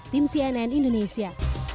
tim cnn indonesia